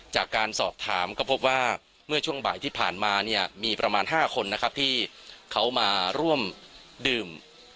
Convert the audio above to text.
จากการสอบถามก็พบว่าเมื่อช่วงบ่ายที่ผ่านมาเนี่ยมีประมาณ๕คนนะครับที่เขามาร่วมดื่ม